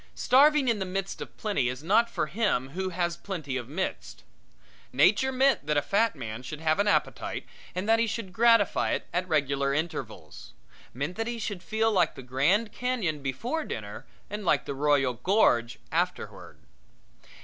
Starving in the midst of plenty is not for him who has plenty of midst. Nature meant that a fat man should have an appetite and that he should gratify it at regular intervals meant that he should feel like the Grand Canyon before dinner and like the Royal Gorge afterward.